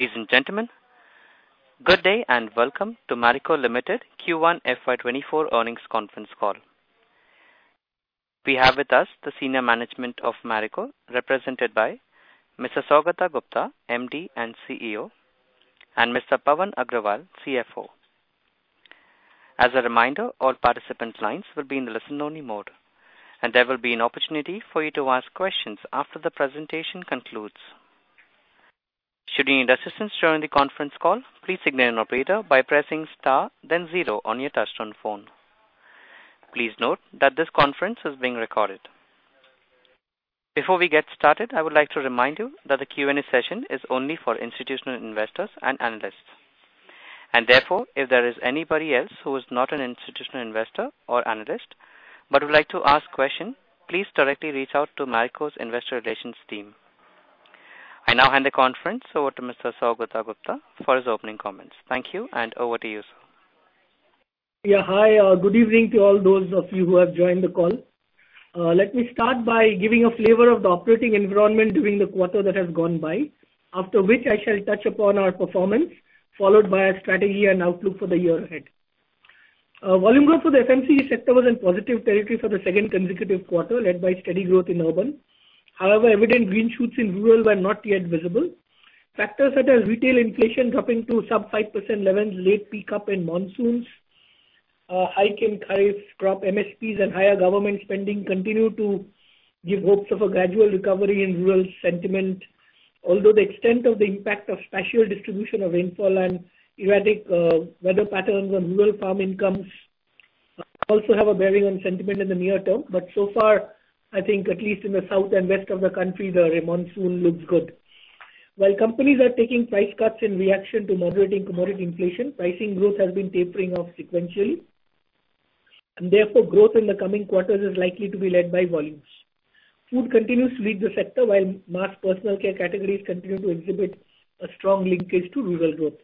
Ladies and gentlemen, good day, welcome to Marico Limited Q1 FY 2024 Earnings Conference Call. We have with us the senior management of Marico, represented by Mr. Saugata Gupta, MD and CEO, and Mr. Pawan Agrawal, CFO. As a reminder, all participants' lines will be in the listen-only mode, and there will be an opportunity for you to ask questions after the presentation concludes. Should you need assistance during the conference call, please signal an operator by pressing star then 0 on your touchtone phone. Please note that this conference is being recorded. Before we get started, I would like to remind you that the Q&A session is only for institutional investors and analysts. Therefore, if there is anybody else who is not an institutional Investor or Analyst, but would like to ask question, please directly reach out to Marico's Investor Relations team. I now hand the conference over to Mr. Saugata Gupta for his opening comments. Thank you, and over to you, sir. Yeah, hi, good evening to all those of you who have joined the call. Let me start by giving a flavor of the operating environment during the quarter that has gone by, after which I shall touch upon our performance, followed by our strategy and outlook for the year ahead. Volume growth for the FMCG sector was in positive territory for the second consecutive quarter, led by steady growth in urban. However, evident green shoots in rural were not yet visible. Factors such as retail inflation dropping to sub-5% levels, late peak up in monsoons, hike in crop MSPs and higher government spending continue to give hopes of a gradual recovery in rural sentiment. Although the extent of the impact of spatial distribution of rainfall and erratic weather patterns on rural farm incomes also have a bearing on sentiment in the near term. So far, I think at least in the south and west of the country, the monsoon looks good. While companies are taking price cuts in reaction to moderating commodity inflation, pricing growth has been tapering off sequentially, and therefore growth in the coming quarters is likely to be led by volumes. Food continues to lead the sector, while mass personal care categories continue to exhibit a strong linkage to rural growth.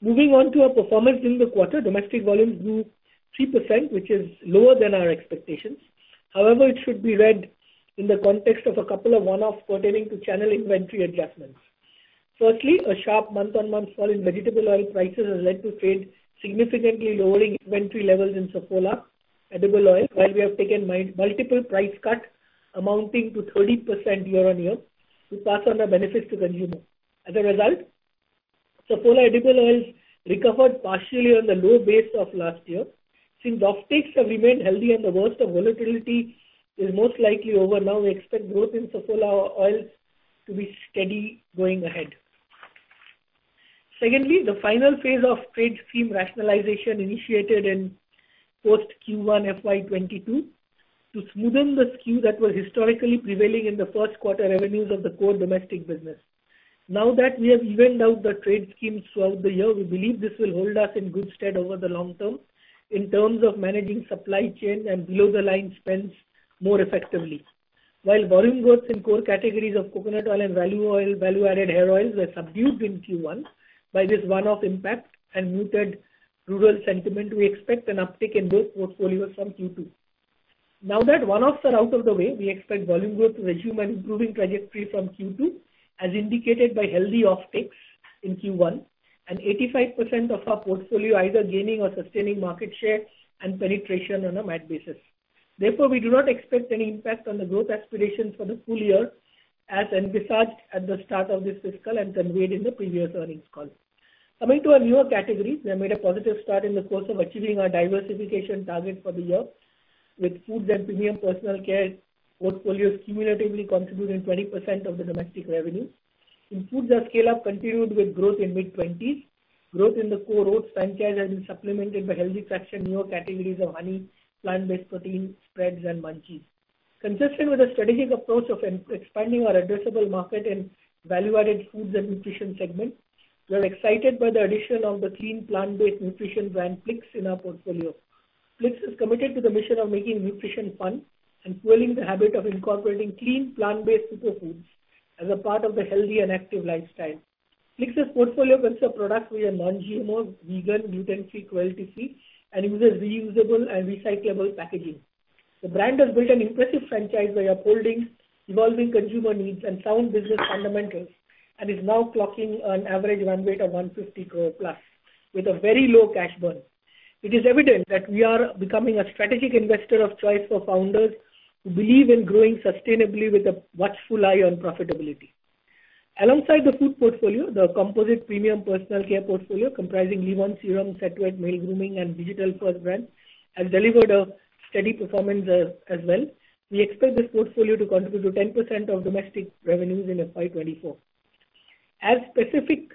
Moving on to our performance in the quarter, domestic volumes grew 3%, which is lower than our expectations. However, it should be read in the context of a couple of one-offs pertaining to channel inventory adjustments. Firstly, a sharp month-on-month fall in vegetable oil prices has led to trade, significantly lowering inventory levels in Saffola Edible Oil, while we have taken multiple price cut amounting to 30% year-on-year, to pass on the benefits to consumers. As a result, Saffola Edible Oil recovered partially on the low base of last year. Offtakes have remained healthy and the worst of volatility is most likely over, now we expect growth in Saffola oils to be steady going ahead. Secondly, the final phase of trade scheme rationalization initiated in post Q1 FY 2022, to smoothen the skew that was historically prevailing in the Q1 revenues of the core domestic business. Now that we have evened out the trade schemes throughout the year, we believe this will hold us in good stead over the long term, in terms of managing supply chain and below the line spends more effectively. While volume growth in core categories of coconut oil and value oil, Value-Added Hair Oils were subdued in Q1 by this one-off impact and muted rural sentiment, we expect an uptick in both portfolios from Q2. Now that one-offs are out of the way, we expect volume growth to resume an improving trajectory from Q2, as indicated by healthy offtakes in Q1, and 85% of our portfolio either gaining or sustaining market share and penetration on a MAT basis. Therefore, we do not expect any impact on the growth aspirations for the full year, as envisaged at the start of this fiscal and conveyed in the previous earnings call. Coming to our newer categories, we have made a positive start in the course of achieving our diversification target for the year, with Foods and Premium Personal Care portfolios cumulatively contributing 20% of the domestic revenue. In Foods, our scale-up continued with growth in mid-20s. Growth in the core oats franchise has been supplemented by healthy traction in newer categories of honey, plant-based protein, spreads, and munchies. Consistent with a strategic approach of expanding our addressable market in value-added foods and nutrition segment, we are excited by the addition of the clean, plant-based nutrition brand, Plix, in our portfolio. Plix is committed to the mission of making nutrition fun and fueling the habit of incorporating clean, plant-based superfoods as a part of the healthy and active lifestyle. Plix's portfolio consists of products that are non-GMO, vegan, gluten-free, cruelty-free, and uses reusable and recyclable packaging. The brand has built an impressive franchise by upholding evolving consumer needs and sound business fundamentals, and is now clocking an average run rate of 150 crore+, with a very low cash burn. It is evident that we are becoming a strategic investor of choice for founders who believe in growing sustainably with a watchful eye on profitability. Alongside the food portfolio, the composite Premium Personal Care portfolio, comprising Livon Serum, Set Wet, male grooming, and digital-first brands, has delivered a steady performance as well. We expect this portfolio to contribute to 10% of domestic revenues in FY 2024. As specific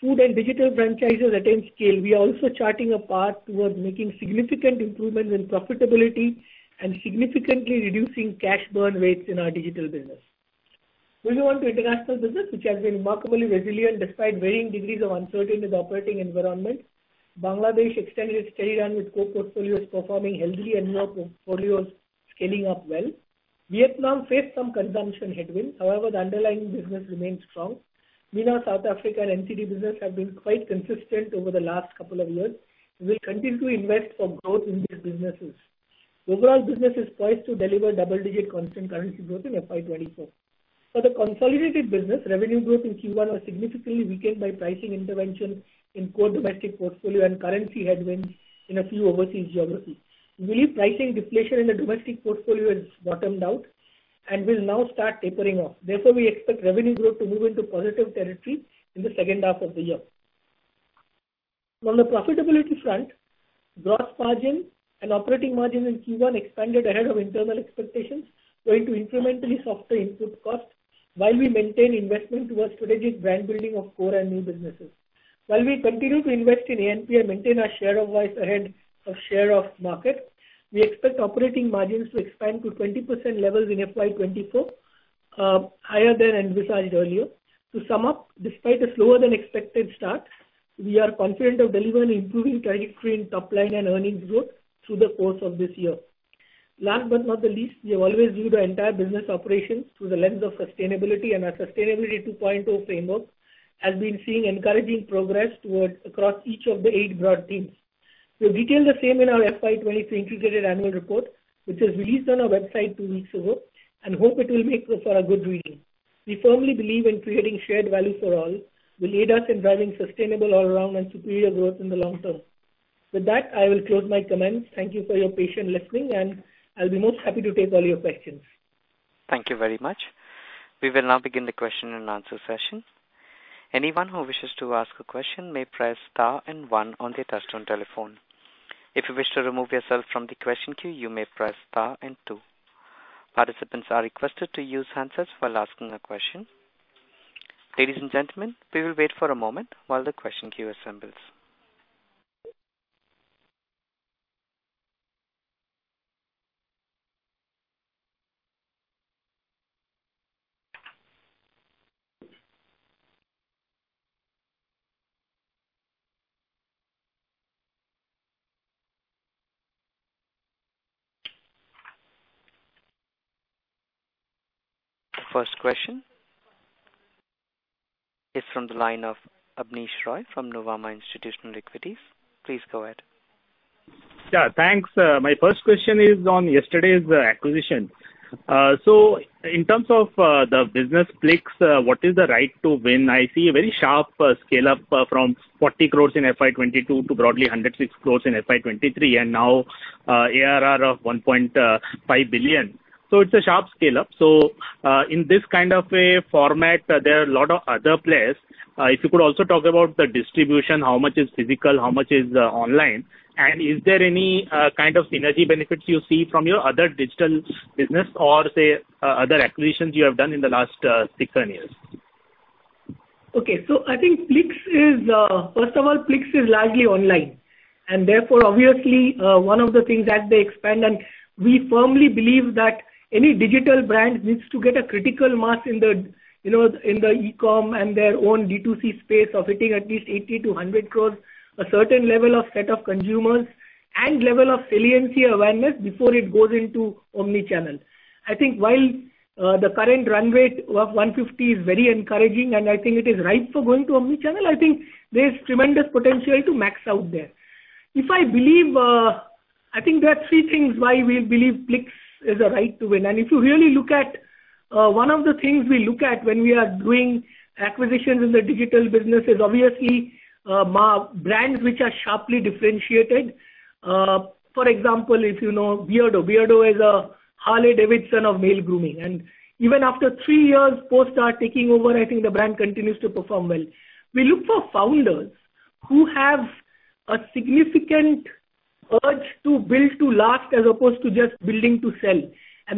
food and digital franchises attain scale, we are also charting a path towards making significant improvements in profitability and significantly reducing cash burn rates in our digital business. Moving on to international business, which has been remarkably resilient despite varying degrees of uncertainty in the operating environment. Bangladesh extended its steady run, with core portfolios performing healthy and newer portfolios scaling up well. Vietnam faced some consumption headwinds; however, the underlying business remains strong. Vietnam, South Africa and NCD business have been quite consistent over the last couple of years. We will continue to invest for growth in these businesses. The overall business is poised to deliver double-digit constant currency growth in FY 2024. For the consolidated business, revenue growth in Q1 was significantly weakened by pricing intervention in core domestic portfolio and currency headwinds in a few overseas geographies. We believe pricing deflation in the domestic portfolio has bottomed out and will now start tapering off. Therefore, we expect revenue growth to move into positive territory in the second half of the year. On the profitability front, gross margin and operating margin in Q1 expanded ahead of internal expectations, going to incrementally softer input costs, while we maintain investment towards strategic brand building of core and new businesses. While we continue to invest in A&P and maintain our share of voice ahead of share of market, we expect operating margins to expand to 20% levels in FY 2024, higher than envisaged earlier. To sum up, despite a slower than expected start, we are confident of delivering improving trajectory in top line and earnings growth through the course of this year. Last but not the least, we always view the entire business operations through the lens of sustainability, and our Sustainability 2.0 Framework has been seeing encouraging progress across each of the eight broad themes. We've detailed the same in our FY 2023 Integrated Annual Report, which was released on our website two weeks ago, and hope it will make for a good reading. We firmly believe in creating shared value for all, will aid us in driving sustainable all around and superior growth in the long term. With that, I will close my comments. Thank you for your patient listening, I'll be most happy to take all your questions. Thank you very much. We will now begin the question and answer session. Anyone who wishes to ask a question may press star and 1 on their touchtone telephone. If you wish to remove yourself from the question queue, you may press star and 2. Participants are requested to use handsets while asking a question. Ladies and gentlemen, we will wait for a moment while the question queue assembles. The first question is from the line of Abneesh Roy from Nuvama Institutional Equities. Please go ahead. Yeah, thanks. My first question is on yesterday's acquisition. In terms of the business Plix, what is the right to win? I see a very sharp scale up from 40 crore in FY 2022 to broadly 106 crore in FY 2023, and now, ARR of 1.5 billion. It's a sharp scale up. In this kind of a format, there are a lot of other players. If you could also talk about the distribution, how much is physical, how much is online? Is there any kind of synergy benefits you see from your other digital business or, say, other acquisitions you have done in the last six, 10 years? Okay. I think Plix is, first of all, Plix is largely online, therefore, obviously, one of the things as they expand, we firmly believe that any digital brand needs to get a critical mass in the, you know, in the e-com and their own D2C space of hitting at least 80-100 crores, a certain level of set of consumers and level of saliency awareness before it goes into omni-channel. I think while the current run rate of 150 crores is very encouraging, I think it is right for going to omni-channel, I think there is tremendous potential to max out there. If I believe, I think there are three things why we believe Plix is a right to win. If you really look at, one of the things we look at when we are doing acquisitions in the digital business is obviously, brands which are sharply differentiated. For example, if you know Beardo. Beardo is a Harley-Davidson of male grooming, and even after three years post our taking over, I think the brand continues to perform well. We look for founders who have a significant urge to build to last, as opposed to just building to sell.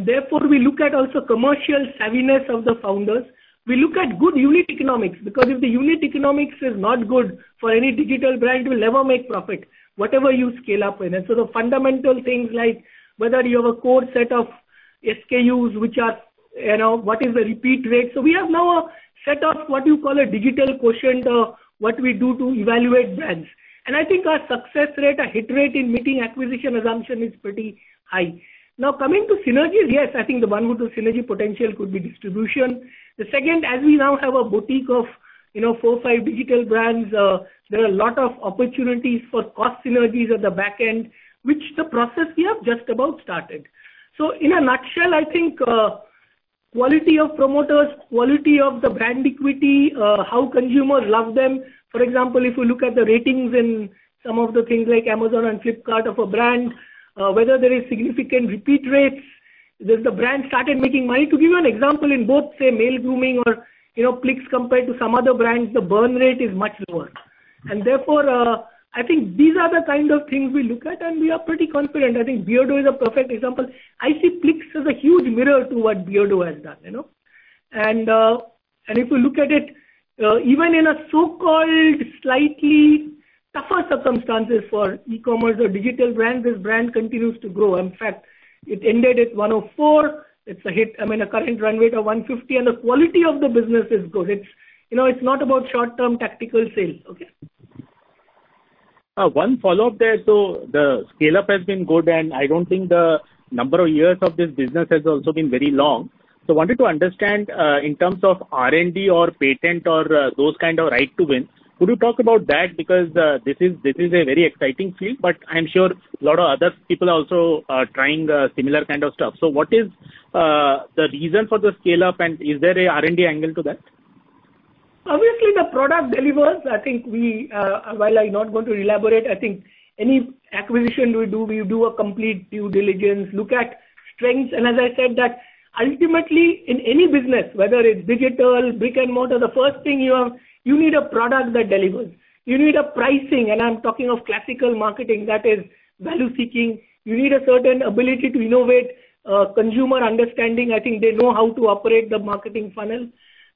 Therefore, we look at also commercial savviness of the founders. We look at good unit economics, because if the unit economics is not good for any digital brand, you will never make profit, whatever you scale up in. So the fundamental things like whether you have a core set of SKUs, which are, you know, what is the repeat rate? We have now a set of what you call a digital quotient of what we do to evaluate brands. I think our success rate, our hit rate in meeting acquisition assumption is pretty high. Now, coming to synergies, yes, I think the one or two synergy potential could be distribution. The second, as we now have a boutique of, you know, four, five digital brands, there are a lot of opportunities for cost synergies at the back end, which the process we have just about started. In a nutshell, I think, quality of promoters, quality of the brand equity, how consumers love them. For example, if you look at the ratings in some of the things like Amazon and Flipkart of a brand, whether there is significant repeat rates, does the brand started making money? To give you an example, in both, say, male grooming or, you know, Plix compared to some other brands, the burn rate is much lower. Therefore, I think these are the kind of things we look at, and we are pretty confident. I think Beardo is a perfect example. I see Plix as a huge mirror to what Beardo has done, you know? If you look at it, even in a so-called slightly tougher circumstances for e-commerce or digital brands, this brand continues to grow. In fact, it ended at 104 crores. It's a hit, I mean, a current run rate of 150 crores, and the quality of the business is good. It's, you know, it's not about short-term tactical sales, okay. One follow-up there. The scale-up has been good, and I don't think the number of years of this business has also been very long. I wanted to understand, in terms of R&D or patent or those kind of right to win, could you talk about that? Because this is, this is a very exciting field, but I'm sure a lot of other people are also trying similar kind of stuff. What is the reason for the scale up, and is there a R&D angle to that? Obviously, the product delivers. I think we, while I'm not going to elaborate, I think any acquisition we do, we do a complete due diligence, look at strengths. As I said that, ultimately, in any business, whether it's digital, brick-and-mortar, the first thing you have, you need a product that delivers. You need a pricing, and I'm talking of classical marketing that is value-seeking. You need a certain ability to innovate, consumer understanding. I think they know how to operate the marketing funnel.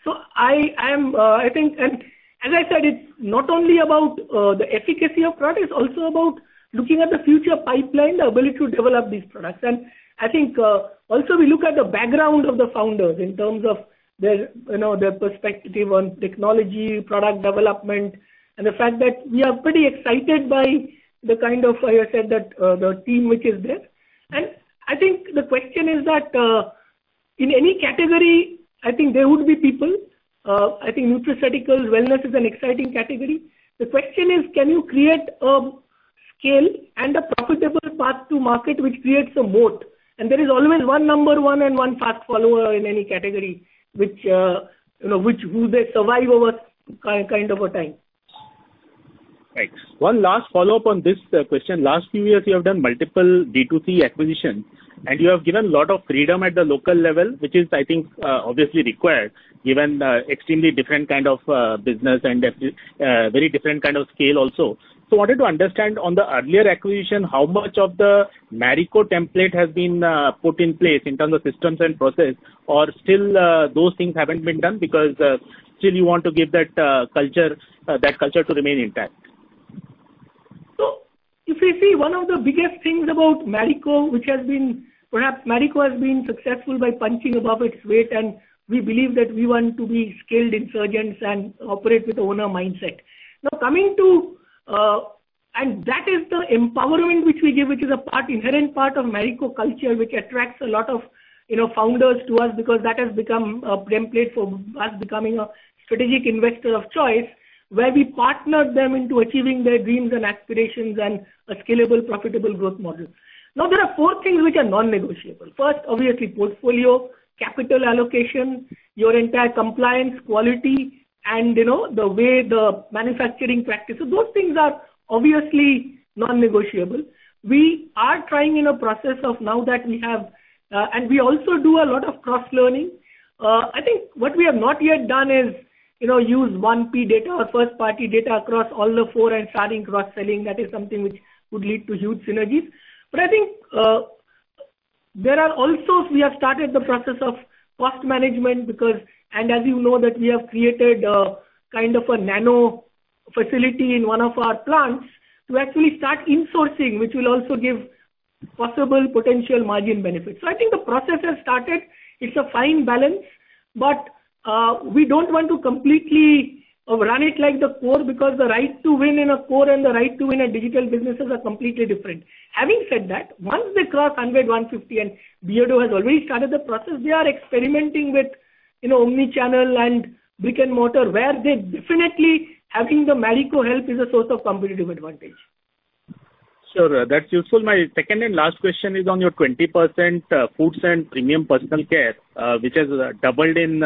I, I am, I think, and as I said, it's not only about the efficacy of product, it's also about looking at the future pipeline, the ability to develop these products. I think, also we look at the background of the founders in terms of their, you know, their perspective on technology, product development, and the fact that we are pretty excited by the kind of, I said, that the team which is there. I think the question is that, in any category, I think there would be people, I think nutraceuticals, wellness is an exciting category. The question is, can you create a scale and a profitable path to market which creates a moat? There is always one number 1 and 1 fast follower in any category, you know, who they survive over kind of a time. Thanks. One last follow-up on this question. Last few years, you have done multiple D2C acquisitions. You have given a lot of freedom at the local level, which is, I think, obviously required, given the extremely different kind of business and very different kind of scale also. I wanted to understand on the earlier acquisition, how much of the Marico template has been put in place in terms of systems and process, or still, those things haven't been done because, still you want to give that culture, that culture to remain intact? If you see, one of the biggest things about Marico, which has been. Perhaps Marico has been successful by punching above its weight, and we believe that we want to be skilled insurgents and operate with owner mindset. Coming to, and that is the empowerment which we give, which is a part, inherent part of Marico culture, which attracts a lot of, you know, founders to us, because that has become a Marico template for us becoming a strategic investor of choice. Where we partner them into achieving their dreams and aspirations and a scalable, profitable growth model. There are four things which are non-negotiable. First, obviously, portfolio, capital allocation, your entire compliance, quality, and, you know, the way the manufacturing practices. Those things are obviously non-negotiable. We are trying in a process of now that we have, we also do a lot of cross-learning. I think what we have not yet done is, you know, use one P data or first party data across all the four and starting cross-selling. That is something which would lead to huge synergies. I think, there are also, we have started the process of cost management because, as you know, that we have created a kind of a nano facility in one of our plants to actually start insourcing, which will also give possible potential margin benefits. I think the process has started. It's a fine balance, but we don't want to completely run it like the core, because the right to win in a core and the right to win in a digital businesses are completely different. Having said that, once they cross 100-150 crore, and Beardo has already started the process, they are experimenting with, you know, omni-channel and brick-and-mortar, where they definitely having the Marico help is a source of competitive advantage. Sure, that's useful. My second and last question is on your 20% Foods and Premium Personal Care, which has doubled in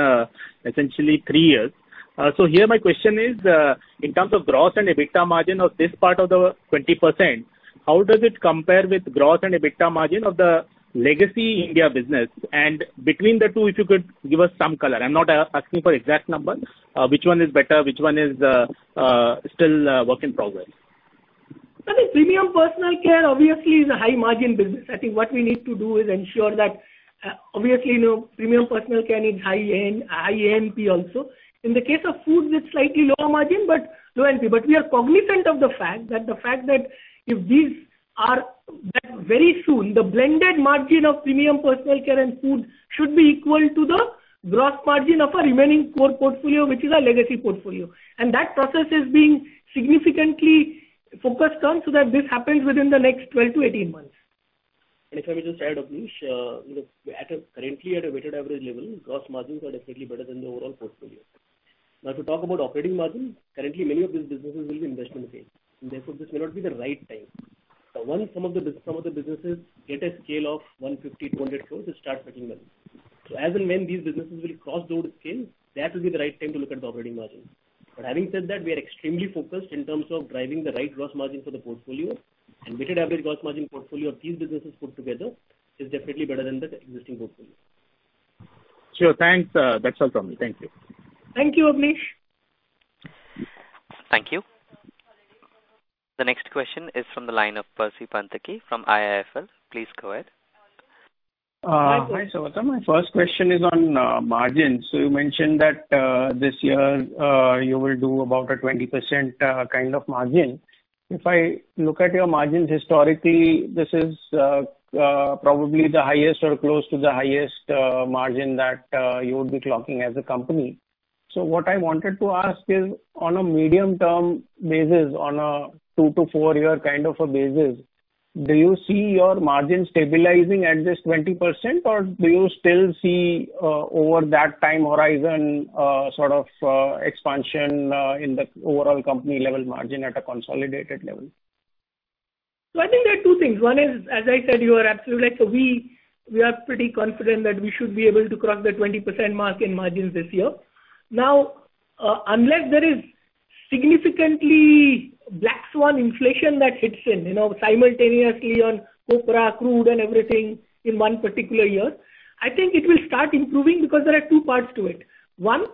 essentially 3 years. So here my question is, in terms of gross and EBITDA margin of this part of the 20%, how does it compare with gross and EBITDA margin of the legacy India business? Between the two, if you could give us some color. I'm not asking for exact numbers. Which one is better, which one is still work in progress? I think Premium Personal Care obviously is a high margin business. I think what we need to do is ensure that, obviously, you know, Premium Personal Care needs high end, high EMP also. In the case of Foods, it's slightly lower margin, but low EMP. We are cognizant of the fact that very soon, the blended margin of Premium Personal Care and Foods should be equal to the gross margin of our remaining core portfolio, which is our legacy portfolio. That process is being significantly focused on, so that this happens within the next 12 to 18 months. If I may just add, Abneesh, you know, currently at a weighted average level, gross margins are definitely better than the overall portfolio. To talk about operating margin, currently many of these businesses will be investment grade, and therefore, this may not be the right time. Once some of the businesses get a scale of 150-200 crores, they start making money. As and when these businesses will cross those scales, that will be the right time to look at the operating margin. Having said that, we are extremely focused in terms of driving the right gross margin for the portfolio, and weighted average gross margin portfolio of these businesses put together is definitely better than the existing portfolio. Sure, thanks. That's all from me. Thank you. Thank you, Abneesh. Thank you. The next question is from the line of Percy Panthaki from IIFL. Please go ahead. Hi, Saugata. My first question is on margins. You mentioned that this year, you will do about a 20% kind of margin. If I look at your margins historically, this is probably the highest or close to the highest margin that you would be clocking as a company. What I wanted to ask is, on a medium-term basis, on a 2- to 4-year kind of a basis, do you see your margin stabilizing at this 20%, or do you still see over that time horizon sort of expansion in the overall company level margin at a consolidated level? I think there are two things. One is, as I said, you are absolutely right. We, we are pretty confident that we should be able to cross the 20% mark in margins this year. Unless there is significantly black swan inflation that hits in, you know, simultaneously on copra, crude, and everything in one particular year, I think it will start improving because there are two parts to it. One,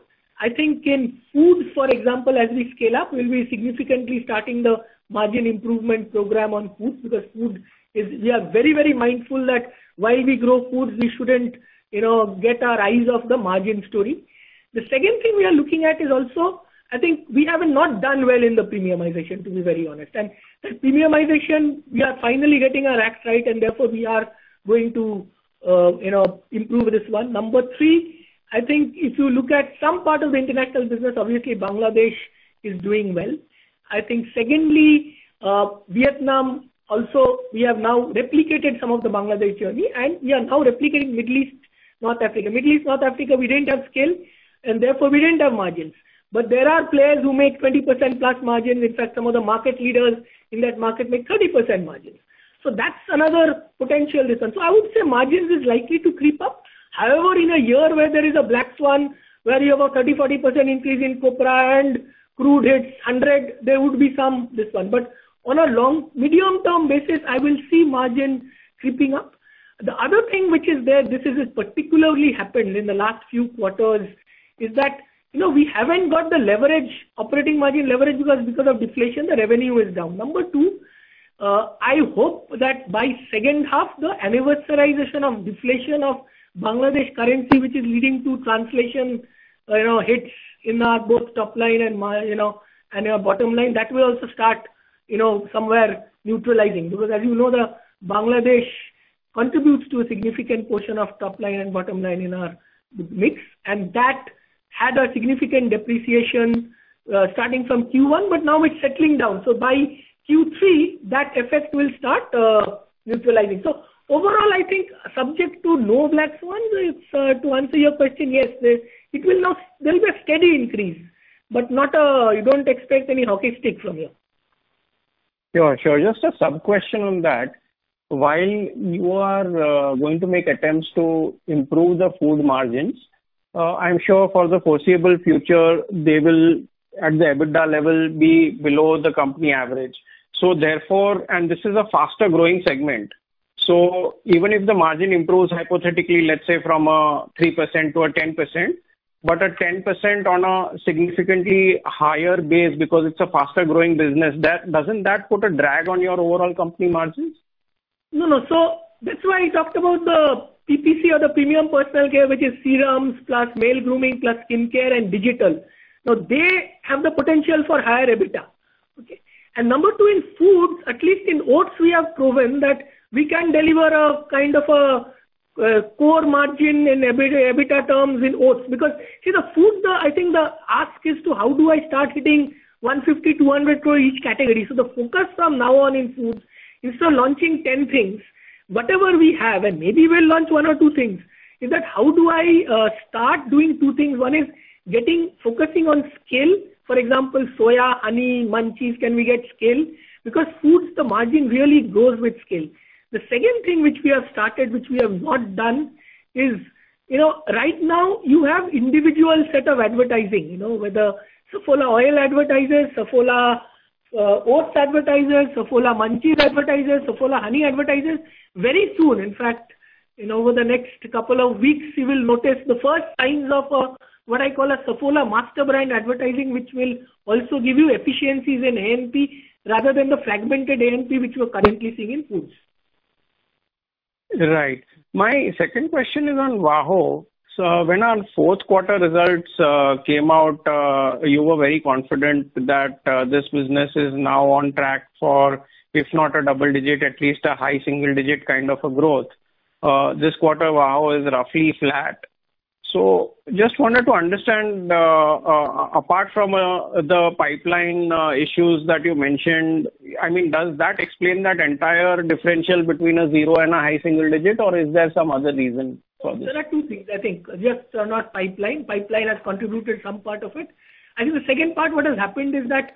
I think in food, for example, as we scale up, we'll be significantly starting the margin improvement program on foods, because food is, we are very, very mindful that while we grow foods, we shouldn't, you know, get our eyes off the margin story. The second thing we are looking at is also, I think we have not done well in the premiumization, to be very honest. The premiumization, we are finally getting our act right, and therefore, we are going to, you know, improve this one. Number three, I think if you look at some part of the international business, obviously Bangladesh is doing well. I think secondly, Vietnam also, we have now replicated some of the Bangladesh journey, and we are now replicating Middle East, North Africa. Middle East, North Africa, we didn't have scale, and therefore, we didn't have margins. There are players who make 20% plus margins. In fact, some of the market leaders in that market make 30% margins. That's another potential reason. I would say margins is likely to creep up. However, in a year where there is a black swan, where you have a 30%-40% increase in copra and crude hits 100, there would be some, this one. On a long, medium-term basis, I will see margin creeping up. The other thing which is there, this is particularly happened in the last few quarters, is that, you know, we haven't got the leverage, operating margin leverage, because of deflation, the revenue is down. Number two, I hope that by second half, the anniversarization of deflation of Bangladesh currency, which is leading to translation, you know, hits in our both top line and mar- you know, and your bottom line, that will also start, you know, somewhere neutralizing. As you know, the Bangladesh contributes to a significant portion of top line and bottom line in our mix, and that had a significant depreciation, starting from Q1, but now it's settling down. By Q3, that effect will start neutralizing. Overall, I think subject to no black swans, it's to answer your question, yes, it will now, there'll be a steady increase, but not, you don't expect any hockey stick from here. Sure, sure. Just a sub-question on that. While you are going to make attempts to improve the food margins, I'm sure for the foreseeable future, they will, at the EBITDA level, be below the company average. Therefore, this is a faster growing segment, so even if the margin improves, hypothetically, let's say, from 3% to a 10%, but a 10% on a significantly higher base because it's a faster growing business, doesn't that put a drag on your overall company margins? No, no. That's why I talked about the PPC or the Premium Personal Care, which is serums plus male grooming, plus skin care and digital. Now, they have the potential for higher EBITDA. Okay? Number two, in foods, at least in oats, we have proven that we can deliver a kind of a core margin in EBITDA terms in oats. The foods, I think the ask is to how do I start hitting 150-200 crore each category? The focus from now on in foods, instead of launching 10 things, whatever we have, and maybe we'll launch one or two things, is that how do I start doing two things? One is getting, focusing on scale. For example, soya, honey, Munchies, can we get scale? Foods, the margin really goes with scale. The second thing which we have started, which we have not done, is, you know, right now, you have individual set of advertising. You know, whether Saffola Oil advertisers, Saffola Oats advertisers, Saffola Munchies advertisers, Saffola Honey advertisers. Very soon, in fact, in over the next couple of weeks, you will notice the first signs of a, what I call a Saffola master brand advertising, which will also give you efficiencies in A&P rather than the fragmented A&P which you are currently seeing in foods. Right. My second question is on VAHO. When our Q4 results came out, you were very confident that this business is now on track for, if not a double digit, at least a high single digit kind of a growth. This quarter, VAHO is roughly flat. Just wanted to understand, apart from the pipeline issues that you mentioned, I mean, does that explain that entire differential between a zero and a high single digit, or is there some other reason for this? There are two things, I think. Just are not pipeline. Pipeline has contributed some part of it. I think the second part, what has happened is that,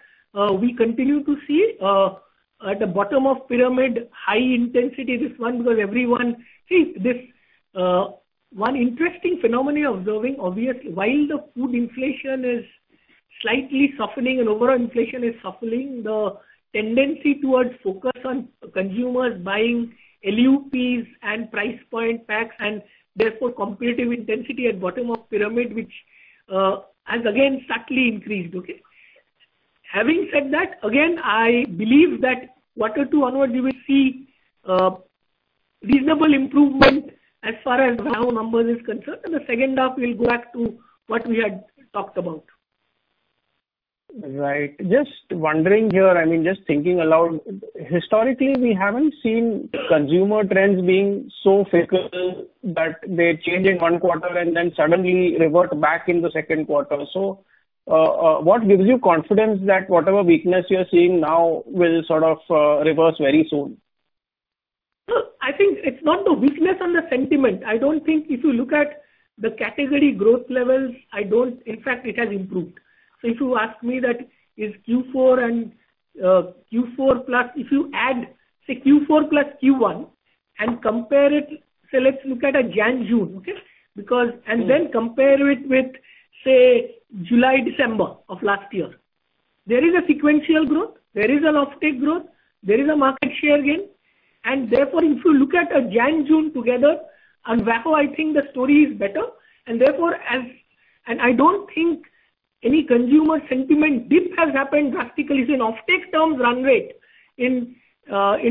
we continue to see, at the bottom of pyramid, high intensity, this one, because everyone. See, this, one interesting phenomena observing, obviously, while the food inflation is slightly softening and overall inflation is softening, the tendency towards focus on consumers buying LUPs and price point packs, and therefore competitive intensity at bottom of pyramid, which, has again slightly increased, okay? Having said that, again, I believe that quarter two onwards, we will see, reasonable improvement as far as VAHO number is concerned, and the second half, we'll go back to what we had talked about. Right. Just wondering here, I mean, just thinking aloud, historically, we haven't seen consumer trends being so fickle that they change in one quarter and then suddenly revert back in the Q2. What gives you confidence that whatever weakness you are seeing now will sort of reverse very soon? No, I think it's not the weakness and the sentiment. I don't think if you look at the category growth levels, in fact, it has improved. If you ask me that, is Q4 and Q4 plus, if you add, say, Q4 plus Q1 and compare it, let's look at a January, June, okay? Mm-hmm. Then compare it with, say, July, December of last year. There is a sequential growth, there is an offtake growth, there is a market share gain, and therefore, if you look at a January and June together, and VAHO, I think the story is better. Therefore, as -- and I don't think any consumer sentiment dip has happened drastically, it's in offtake terms run rate. In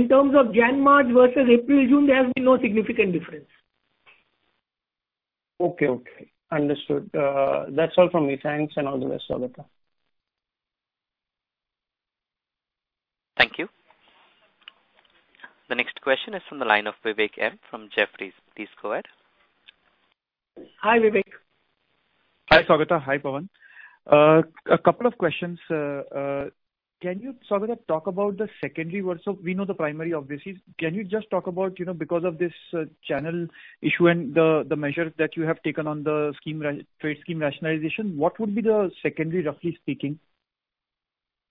terms of January and March versus April, June, there has been no significant difference. Okay, okay. Understood. That's all from me. Thanks, and all the best, Saugata. Thank you. The next question is from the line of Vivek Maheshwari from Jefferies. Please go ahead. Hi, Vivek. Hi, Saugata. Hi, Pawan. A couple of questions. Can you, Saugata, talk about the secondary versus, we know the primary, obviously. Can you just talk about, you know, because of this, channel issue and the measure that you have taken on the scheme trade scheme rationalization, what would be the secondary, roughly speaking?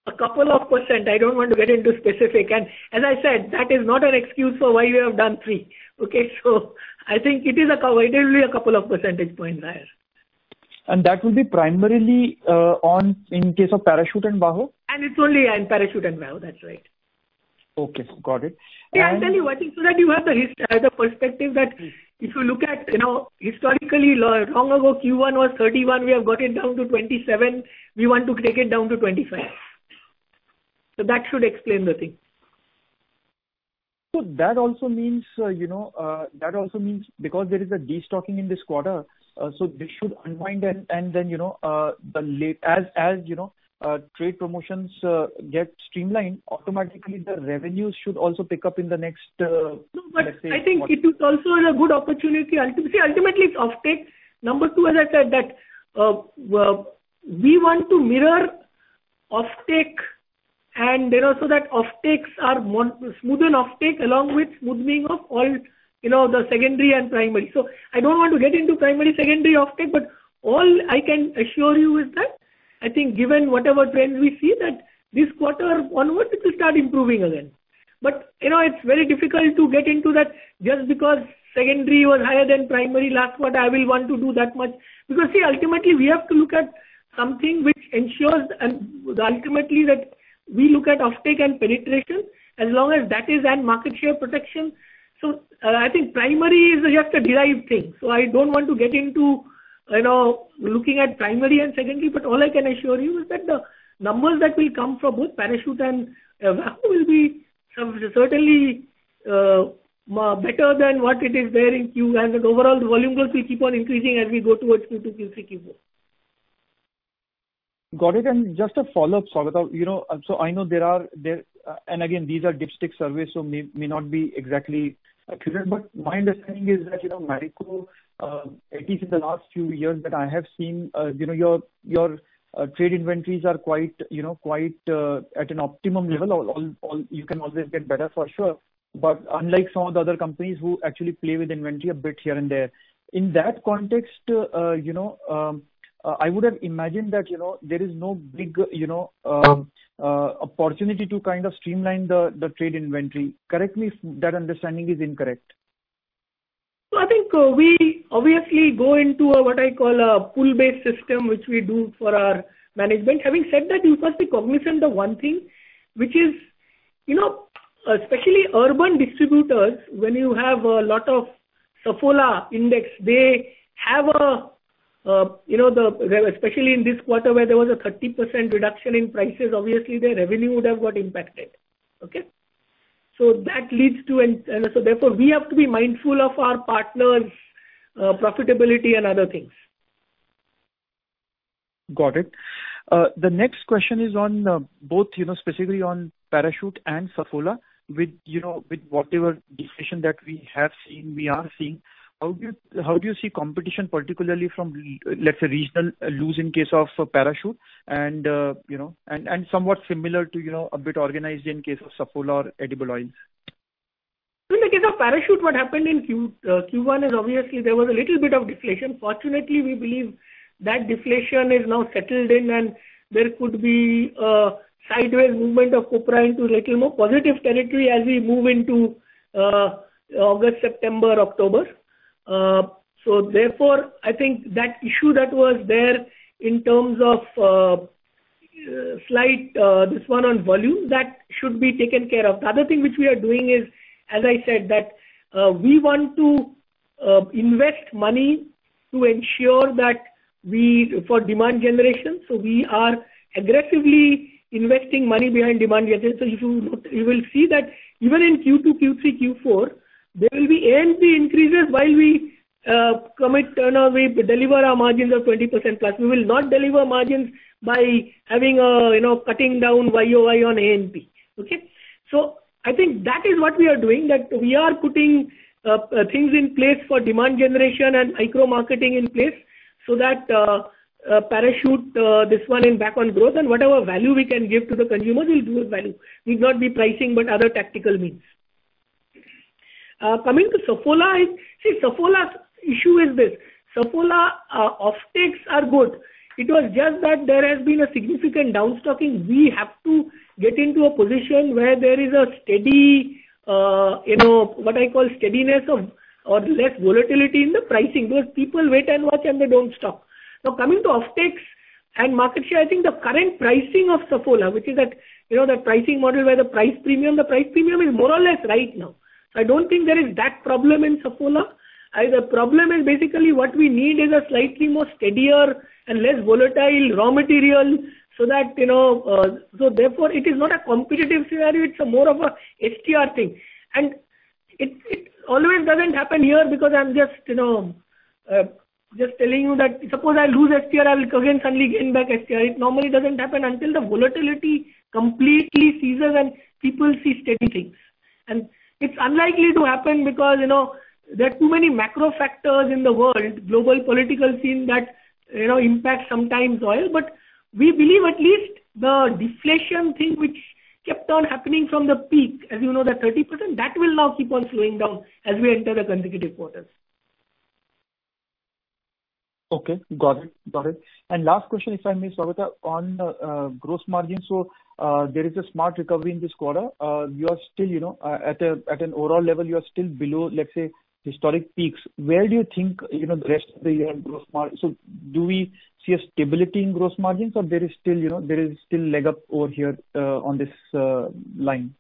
A couple of %, I don't want to get into specific. As I said, that is not an excuse for why we have done 3, okay? I think it will be a couple of percentage points higher. That will be primarily on in case of Parachute and VAHO? It's only in Parachute and VAHO, that's right. Okay, got it. And- I'll tell you what, so that you have the perspective that, if you look at, you know, historically, long ago, Q1 was 31, we have got it down to 27. We want to take it down to 25. That should explain the thing. That also means, you know, that also means because there is a destocking in this quarter, so this should unwind and then, you know, as you know, trade promotions get streamlined, automatically the revenues should also pick up in the next, let's say, quarter. I think it is also a good opportunity. Ultimately, it's offtake. Number two, as I said, that, we want to mirror offtake, and there are also that offtakes are smoother offtake along with smoothing of all, you know, the secondary and primary. I don't want to get into primary, secondary offtake, but all I can assure you is that, I think given whatever trends we see, that this quarter onward, it will start improving again. You know, it's very difficult to get into that just because secondary was higher than primary last quarter, I will want to do that much. Ultimately, we have to look at something which ensures and ultimately that we look at offtake and penetration, as long as that is and market share protection. I think primary is, we have to derive things, so I don't want to get into, you know, looking at primary and secondary, but all I can assure you is that the numbers that will come from both Parachute and VAHO will be certainly better than what it is there in Q1, and the overall volume will keep on increasing as we go towards Q2, Q3, Q4. Got it. Just a follow-up, Saugata. You know, so I know there are, there, and again, these are dipstick surveys, so may, may not be exactly accurate. My understanding is that, you know, Marico, at least in the last few years that I have seen, you know, your, your, trade inventories are quite, you know, quite, at an optimum level. You can always get better, for sure. Unlike some of the other companies who actually play with inventory a bit here and there, in that context, you know, I would have imagined that, you know, there is no big, you know opportunity to kind of streamline the, the trade inventory. Correct me if that understanding is incorrect. I think, we obviously go into a, what I call a pool-based system, which we do for our management. Having said that, you must be cognizant of 1 thing, which is, you know, especially urban distributors, when you have a lot of Saffola index, they have a, you know, the, especially in this quarter, where there was a 30% reduction in prices, obviously their revenue would have got impacted. Okay? That leads to and so therefore, we have to be mindful of our partners, profitability and other things. Got it. The next question is on, both, you know, specifically on Parachute and Saffola with, you know, with whatever deflation that we have seen, we are seeing, how do you, how do you see competition, particularly from let's say, regional loose in case of Parachute and, you know, and somewhat similar to, you know, a bit organized in case of Saffola Edible Oils? In the case of Parachute, what happened in Q1 is obviously there was a little bit of deflation. Fortunately, we believe that deflation is now settled in, and there could be a sideways movement of copra into little more positive territory as we move into August, September, October. Therefore, I think that issue that was there in terms of slight this one on volume, that should be taken care of. The other thing which we are doing is, as I said, that we want to invest money to ensure that we for demand generation, so we are aggressively investing money behind demand generation. If you note, you will see that even in Q2, Q3, Q4, there will be A&P increases while we commit, no, we deliver our margins of 20% plus. We will not deliver margins by having a, you know, cutting down YoY on A&P. Okay? I think that is what we are doing, that we are putting things in place for demand generation and micro-marketing in place, so that Parachute this one in back on growth, and whatever value we can give to the consumers, we'll do with value. Need not be pricing, but other tactical means. Coming to Saffola, see, Saffola's issue is this: Saffola offtakes are good. It was just that there has been a significant downstocking. We have to get into a position where there is a steady, you know, what I call steadiness or, or less volatility in the pricing, because people wait and watch, and they don't stock. Coming to offtakes and market share, I think the current pricing of Saffola, which is at, you know, that pricing model where the price premium, the price premium is more or less right now. I don't think there is that problem in Saffola. The problem is basically what we need is a slightly more steadier and less volatile raw material, so that, you know. Therefore, it is not a competitive scenario, it's a more of a HDR thing. It, it always doesn't happen here because I'm just, you know, just telling you that suppose I lose HDR, I will again suddenly gain back HDR. It normally doesn't happen until the volatility completely ceases and people see steady things. It's unlikely to happen because, you know, there are too many macro factors in the world, global political scene that, you know, impact sometimes oil. We believe at least the deflation thing which kept on happening from the peak, as you know, that 30%, that will now keep on slowing down as we enter the consecutive quarters. Okay, got it. Got it. Last question, if I may, Saugata, on the gross margin. There is a smart recovery in this quarter. You are still, you know, at an overall level, you are still below, let's say, historic peaks. Where do you think, you know, the rest of the year in gross margin? Do we see a stability in gross margins, or there is still, you know, there is still leg up over here on this line?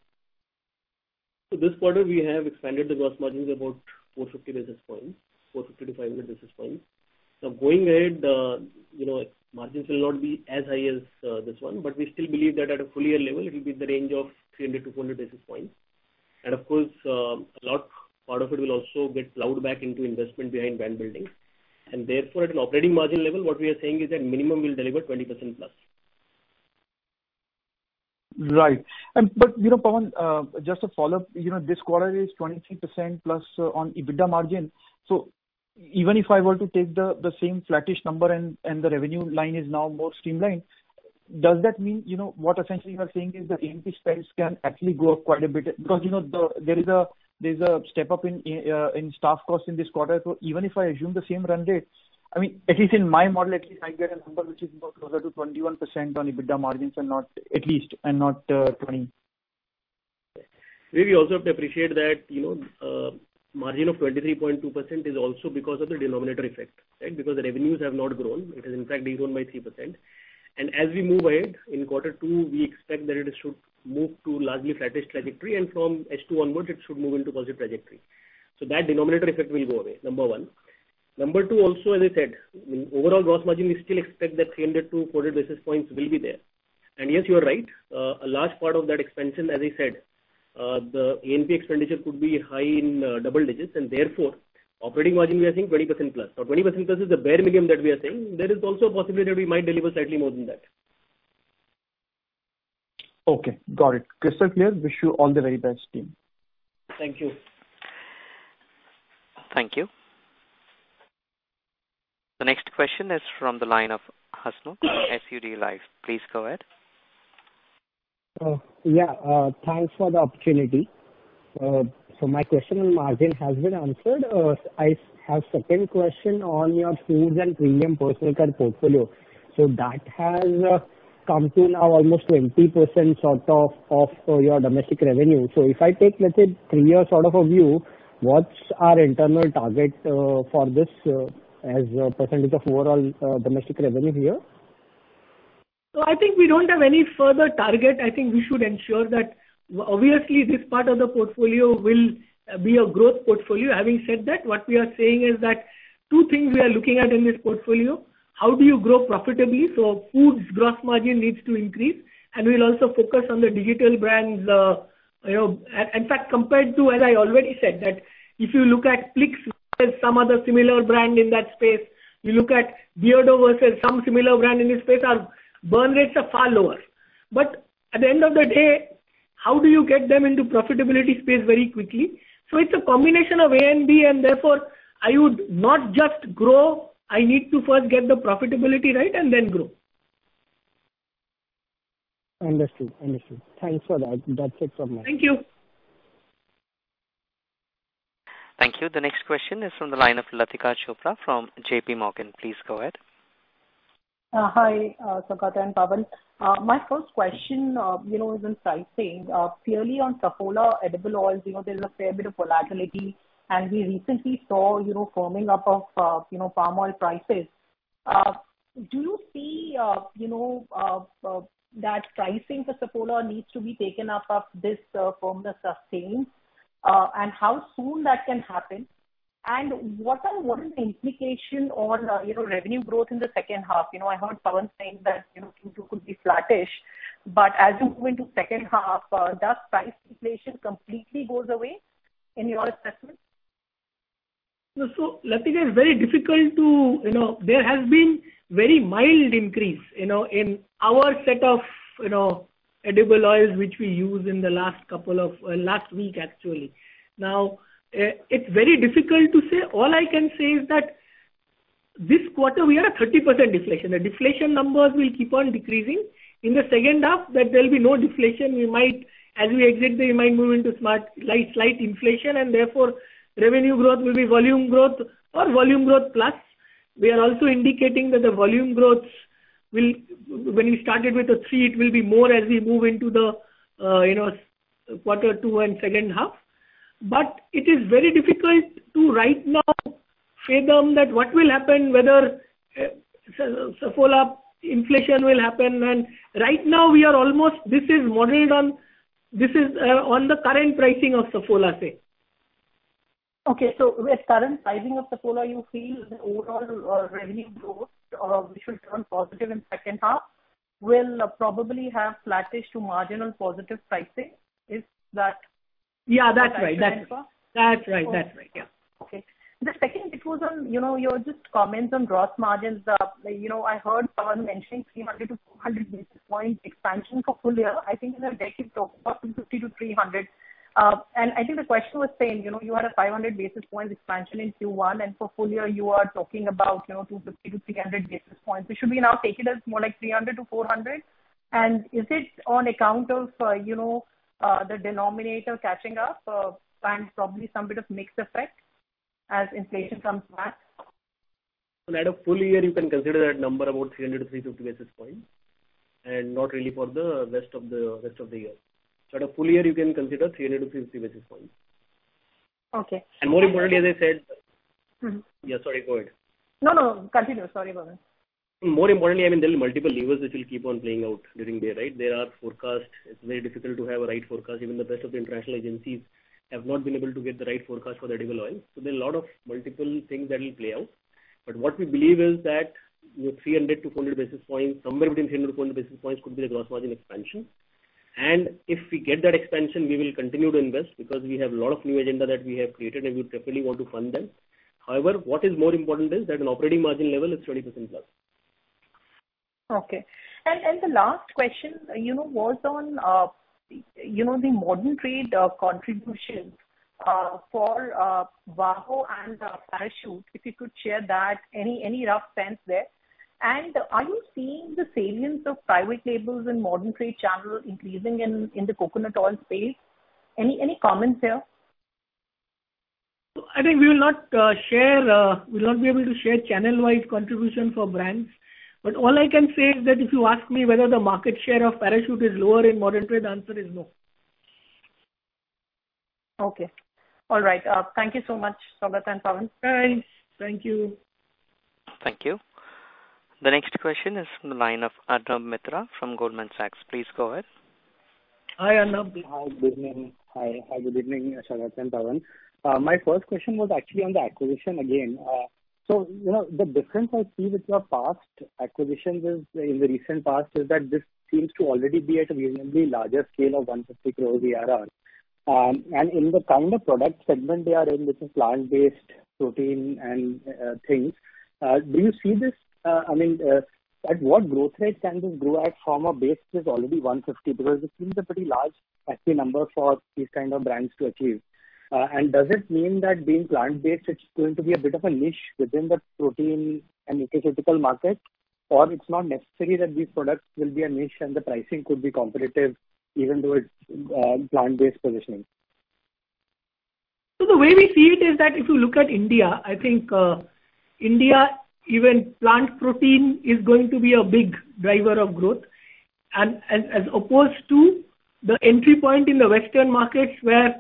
This quarter we have expanded the gross margins about 450 basis points, 450-500 basis points. Going ahead, you know, margins will not be as high as this one, but we still believe that at a full year level, it will be in the range of 300-400 basis points. Of course, a lot, part of it will also get plowed back into investment behind brand building. Therefore, at an operating margin level, what we are saying is that minimum will deliver 20%+. Right. But, you know, Pawan, just a follow-up, you know, this quarter is 23%+ on EBITDA margin. Even if I were to take the, the same flattish number and, and the revenue line is now more streamlined, does that mean, you know, what essentially you are saying is that A&P spends can actually go up quite a bit? Because, you know, the, there is a, there is a step up in staff costs in this quarter. So even if I assume the same run date, I mean, at least in my model, at least I get a number which is more closer to 21% on EBITDA margins and not at least, and not 20%. We also have to appreciate that, you know, margin of 23.2% is also because of the denominator effect, right? Because the revenues have not grown. It has in fact grown by 3%. As we move ahead in Q2, we expect that it should move to largely flattish trajectory, and from H2 onwards, it should move into positive trajectory. That denominator effect will go away, number one. Number two, also, as I said, overall gross margin, we still expect that 300-400 basis points will be there. Yes, you are right, a large part of that expansion, as I said, the A&P expenditure could be high in double digits, and therefore, operating margin, we are saying 20% plus. Now, 20% plus is the bare minimum that we are saying. There is also a possibility that we might deliver slightly more than that. Okay, got it. Crystal clear. Wish you all the very best, team. Thank you. Thank you. The next question is from the line of Hasmukh, SUD Life. Please go ahead. Yeah, thanks for the opportunity. My question on margin has been answered. I have second question on your Foods and Premium Personal Care portfolio. That has come to now almost 20% sort of, of your domestic revenue. If I take, let's say, 3-year sort of a view, what's our internal target for this as a percentage of overall domestic revenue here? I think we don't have any further target. I think we should ensure that obviously this part of the portfolio will be a growth portfolio. Having said that, what we are saying is that two things we are looking at in this portfolio: How do you grow profitably? Foods gross margin needs to increase, and we'll also focus on the digital brands. You know, in fact, compared to, as I already said, that if you look at Plix versus some other similar brand in that space, you look at Beardo versus some similar brand in this space, our burn rates are far lower. At the end of the day, how do you get them into profitability space very quickly? It's a combination of A and B, and therefore, I would not just grow, I need to first get the profitability right and then grow. Understood. Understood. Thanks for that. That's it from me. Thank you. Thank you. The next question is from the line of Latika Chopra from JPMorgan. Please go ahead. Hi, Saugata Gupta and Pawan Agrawal. My first question, you know, is in sizing. Clearly on Saffola Edible Oils, you know, there is a fair bit of volatility, and we recently saw, you know, firming up of palm oil prices. Do you see, you know, that pricing for Saffola needs to be taken up of this firmness sustained, and how soon that can happen? What are, what is the implication on, you know, revenue growth in the second half? You know, I heard Pawan Agrawal saying that, you know, Q2 could be flattish, but as you move into second half, does price inflation completely goes away in your assessment? Latika, it's very difficult to, you know, there has been very mild increase, you know, in our set of, you know, edible oils, which we use in the last couple of, last week, actually. Now, it's very difficult to say. All I can say is that this quarter we are at 30% deflation. The deflation numbers will keep on decreasing. In the second half, that there will be no deflation, we might, as we exit, we might move into smart, light, slight inflation, and therefore, revenue growth will be volume growth or volume growth plus. We are also indicating that the volume growth when we started with a 3, it will be more as we move into the, you know, Q2 and second half. It is very difficult to right now say them that what will happen, whether Saffola inflation will happen. Right now this is modeled on, this is on the current pricing of Saffola, say. Okay, with current pricing of Saffola, you feel the overall revenue growth, which will turn positive in second half, will probably have flattish to marginal positive pricing? Is that? Yeah, that's right. That's right. That's right, yeah. Okay. The second it was on, you know, your just comments on gross margins. you know, I heard someone mentioning 300-400 basis points expansion for full year. I think in the deck, you talked about 250-300 basis points. I think the question was saying, you know, you had a 500 basis points expansion in Q1, and for full year, you are talking about, you know, 250-300 basis points. We should be now taking it as more like 300-400 basis points? Is it on account of, you know, the denominator catching up, and probably some bit of mix effect as inflation comes back? At a full year, you can consider that number about 300 to 350 basis points, and not really for the rest of the, rest of the year. At a full year, you can consider 300 to 350 basis points. Okay. More importantly, as I said. Mm-hmm. Yeah, sorry, go ahead. No, no, continue. Sorry about it. More importantly, I mean, there are multiple levers which will keep on playing out during the year, right? There are forecasts. It's very difficult to have a right forecast. Even the best of the international agencies have not been able to get the right forecast for the edible oil. There are a lot of multiple things that will play out. What we believe is that with 300 to 400 basis points, somewhere between 300 to 400 basis points could be the gross margin expansion. If we get that expansion, we will continue to invest, because we have a lot of new agenda that we have created, and we definitely want to fund them. However, what is more important is that an operating margin level is 20% plus. Okay. And the last question, you know, was on, you know, the modern trade contributions for VAHO and Parachute. If you could share that, any, any rough sense there? Are you seeing the salience of private labels and modern trade channels increasing in the coconut oil space? Any, any comments there? I think we will not share, we will not be able to share channel-wide contribution for brands. All I can say is that if you ask me whether the market share of Parachute is lower in modern trade, the answer is no. Okay. All right. Thank you so much, Saugata and Pawan. Bye. Thank you. Thank you. The next question is from the line of Arnab Mitra from Goldman Sachs. Please go ahead. Hi, I'm Arnab Mitra. Hi, good evening. Hi, hi, good evening, Saugata Gupta and Pawan Agrawal. My first question was actually on the acquisition again. You know, the difference I see with your past acquisitions is, in the recent past, is that this seems to already be at a reasonably larger scale of 150 crores ARR. And in the kind of product segment they are in, which is plant-based protein and things, do you see this-- I mean, at what growth rate can they grow at from a base that is already 150? Because it seems a pretty large FP number for these kind of brands to achieve. Does it mean that being plant-based, it's going to be a bit of a niche within the protein and nutraceutical market, or it's not necessary that these products will be a niche and the pricing could be competitive, even though it's plant-based positioning? The way we see it is that if you look at India, I think, India, even plant protein is going to be a big driver of growth. As opposed to the entry point in the Western markets, where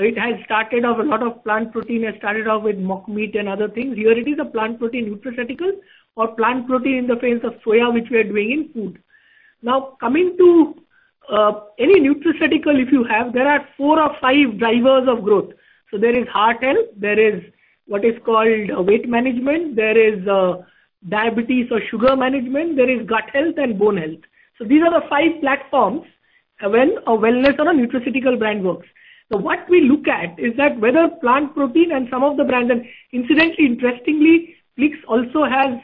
it has started off, a lot of plant protein has started off with mock meat and other things. Here it is a plant protein nutraceutical or plant protein in the face of soya, which we are doing in food. Coming to any nutraceutical, if you have, there are four or five drivers of growth. There is heart health, there is what is called weight management, there is diabetes or sugar management, there is gut health and bone health. These are the five platforms, when a wellness or a nutraceutical brand works. What we look at is that whether plant protein and some of the brands. Incidentally, interestingly, Plix also has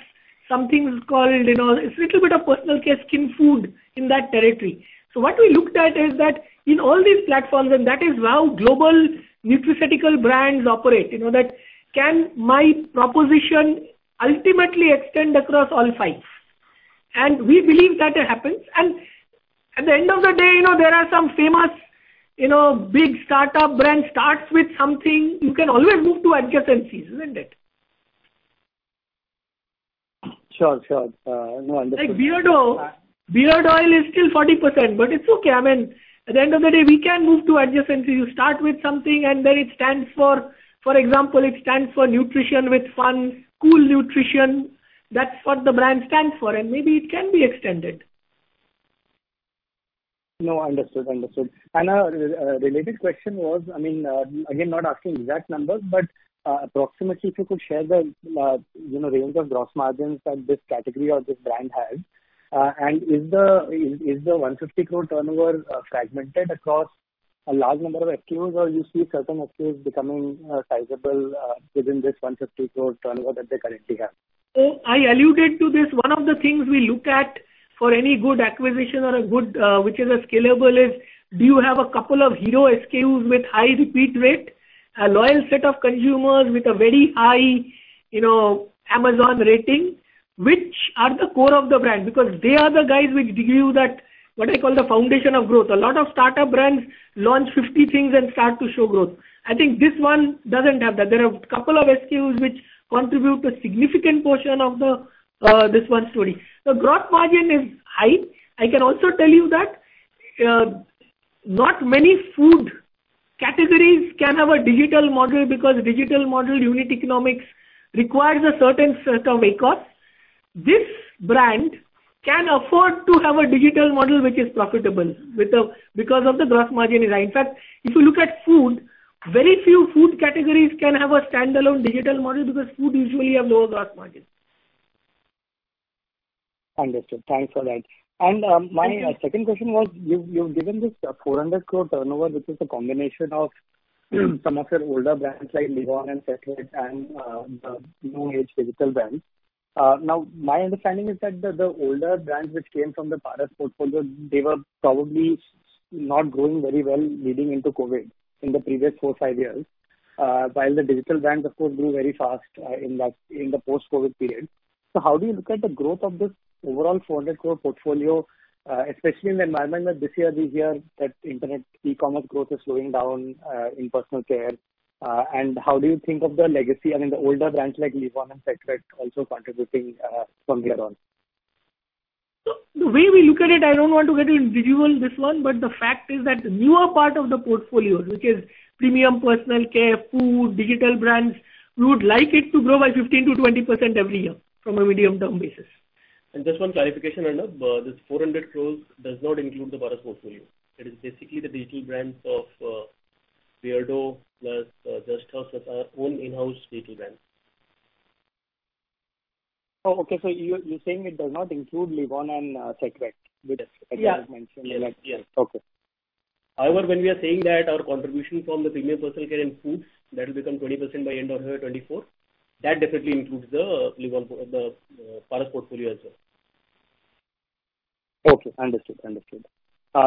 something called, you know, it's a little bit of personal care, skin food in that territory. What we looked at is that in all these platforms, and that is how global nutraceutical brands operate, you know, that can my proposition ultimately extend across all fives? We believe that it happens. At the end of the day, you know, there are some famous, you know, big startup brands starts with something, you can always move to adjacencies, isn't it? Sure, sure. No, understood. Like Beardo. Beardo is still 40%. It's okay. I mean, at the end of the day, we can move to adjacency. You start with something. Then it stands for, for example, it stands for nutrition with fun, cool nutrition. That's what the brand stands for. Maybe it can be extended. No, understood. Understood. A related question was, I mean, again, not asking exact numbers, but approximately if you could share the, you know, range of gross margins that this category or this brand has. Is the 150 crore turnover fragmented across a large number of SKUs or you see certain SKUs becoming sizable within this 150 crore turnover that they currently have? I alluded to this. One of the things we look at for any good acquisition or a good, which is a scalable, is do you have a couple of hero SKUs with high repeat rate, a loyal set of consumers with a very high, you know, Amazon rating, which are the core of the brand, because they are the guys which give you that, what I call the foundation of growth. A lot of startup brands launch fifty things and start to show growth. I think this one doesn't have that. There are a couple of SKUs which contribute a significant portion of the, this one story. The gross margin is high. I can also tell you that, not many food categories can have a digital model, because digital model unit economics requires a certain set of ACoS. This brand can afford to have a digital model which is profitable because the gross margin is high. In fact, if you look at food, very few food categories can have a standalone digital model because food usually have lower gross margin. My second question was, you've, you've given this 400 crore turnover, which is a combination of some of your older brands like Livon and Set Wet, and the new age digital brands. Now, my understanding is that the, the older brands which came from the Paras portfolio, they were probably not growing very well leading into COVID in the previous 4-5 years, while the digital brands, of course, grew very fast, in the, in the post-COVID period. How do you look at the growth of this overall 400 crore portfolio, especially in the environment that this year we hear that internet e-commerce growth is slowing down, in personal care? How do you think of the legacy, I mean, the older brands like Livon and Set Wet also contributing, from here on? The way we look at it, I don't want to get into individual this one, but the fact is that the newer part of the portfolio, which is Premium Personal Care, Foods, digital brands, we would like it to grow by 15%-20% every year from a medium-term basis. Just one clarification, Anup. This 400 crores does not include the Paras portfolio. It is basically the digital brands of Beardo, plus Just Herbs, of our own in-house digital brands. Oh, okay, so you're saying it does not include Livon and Set Wet, with it? Yeah. As you had mentioned. Yeah. Okay. However, when we are saying that our contribution from the premium personal care and foods, that will become 20% by end of year 2024, that definitely includes the Livon, the Paras portfolio as well. Okay, understood. Understood.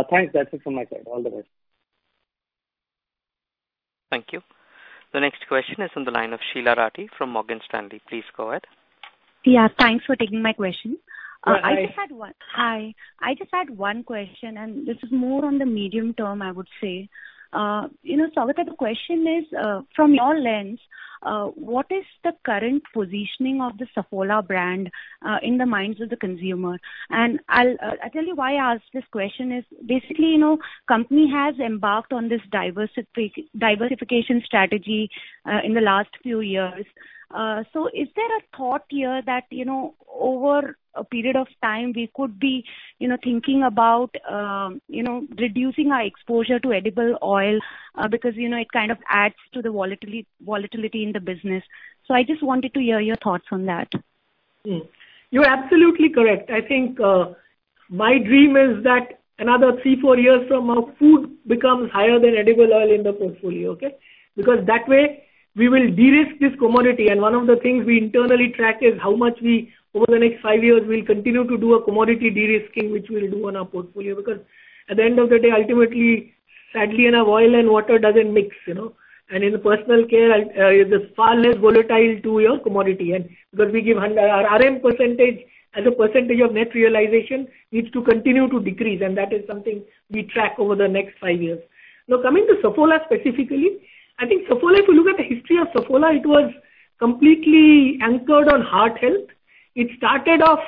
thanks. That's it from my side. All the best. Thank you. The next question is on the line of Sheela Rathi from Morgan Stanley. Please go ahead. Yeah, thanks for taking my question. Hi. Hi. I just had one question. This is more on the medium-term, I would say. You know, the question is, from your lens, what is the current positioning of the Saffola brand in the minds of the consumer? I'll tell you why I ask this question is, basically, you know, company has embarked on this diversification strategy in the last few years. Is there a thought here that, you know, over a period of time, we could be, you know, thinking about, reducing our exposure to edible oil? Because, you know, it kind of adds to the volatility in the business. I just wanted to hear your thoughts on that. Hmm. You're absolutely correct. I think, my dream is that another three, four years from now, food becomes higher than edible oil in the portfolio, okay? Because that way, we will de-risk this commodity. One of the things we internally track is how much we, over the next five years, we'll continue to do a commodity de-risking, which we'll do on our portfolio. Because at the end of the day, ultimately, sadly enough, oil and water doesn't mix, you know. In the personal care, is far less volatile to your commodity. Because we give our RM percentage as a percentage of net realization, needs to continue to decrease, and that is something we track over the next five years. Now, coming to Saffola specifically, I think Saffola, if you look at the history of Saffola, it was completely anchored on heart health. It started off,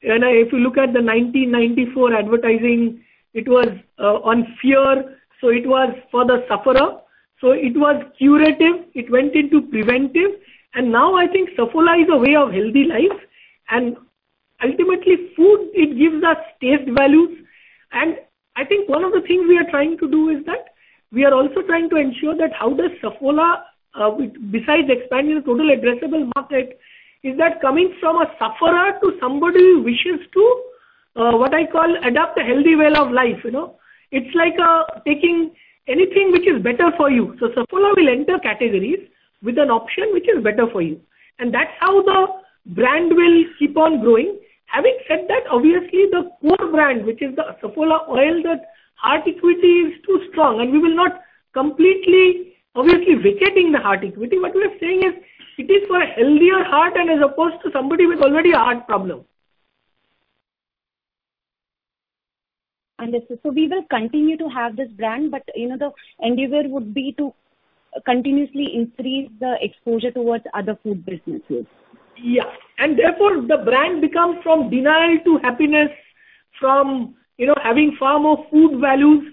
if you look at the 1994 advertising, it was on fear, it was for the sufferer. It was curative, it went into preventive, and now I think Saffola is a way of healthy life. Ultimately food, it gives us taste values. I think one of the things we are trying to do is that we are also trying to ensure that how does Saffola, besides expanding the total addressable market, is that coming from a sufferer to somebody who wishes to, what I call adopt a healthy way of life, you know? It's like taking anything which is better for you. Saffola will enter categories with an option which is better for you, and that's how the brand will keep on growing. Having said that, obviously, the core brand, which is the Saffola oil, the heart equity is too strong, and we will not completely, obviously, vacating the heart equity. What we are saying is, it is for a healthier heart and as opposed to somebody with already a heart problem. Understood. We will continue to have this brand, but, you know, the endeavor would be to continuously increase the exposure towards other food businesses. Yeah. Therefore, the brand becomes from denial to happiness, from, you know, having far more food values,